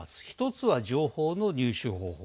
１つは情報の入手方法